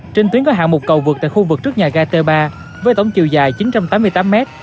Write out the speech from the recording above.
trên tuyến có hạng mục cầu vượt tại khu vực trước nhà gai t ba với tổng chiều dài chín trăm tám mươi tám m